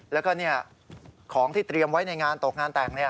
แล้วก็ของที่เตรียมไว้ในงานตกงานแต่ง